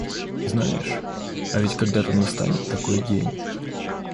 Знаешь, а ведь когда-то настанет такой день.